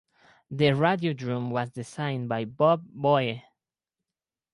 The radiodrum was designed by Bob Boie.